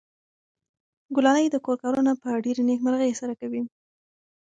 ګلالۍ د کور کارونه په ډېرې نېکمرغۍ سره کوي.